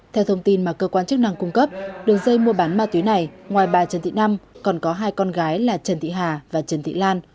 theo thông tin mà cơ quan chức năng cung cấp đường dây mua bán ma túy này ngoài bà trần thị năm còn có hai con gái là trần thị hà và trần thị lan